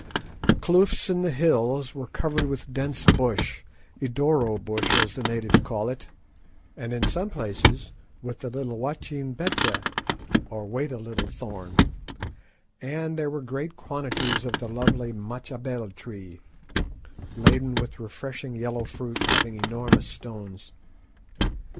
The kloofs in the hills were covered with dense bush, "idoro" bush as the natives call it, and in some places, with the "wacht een beche," or "wait a little thorn," and there were great quantities of the lovely "machabell" tree, laden with refreshing yellow fruit having enormous stones.